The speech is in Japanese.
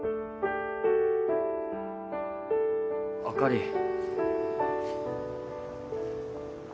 あかり。